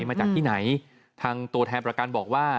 มาจากที่ไหนทางตัวแทนประกันบอกว่า